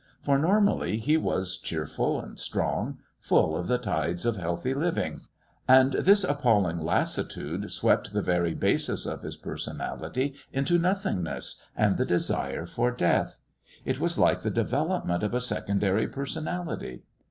For, normally, he was cheerful and strong, full of the tides of healthy living; and this appalling lassitude swept the very basis of his personality into Nothingness and the desire for death. It was like the development of a Secondary Personality.